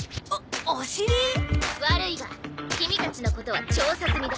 悪いがキミたちのことは調査済みだ。